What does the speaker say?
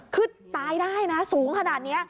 คือตายได้นะสูงขนาดนี้